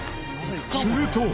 すると。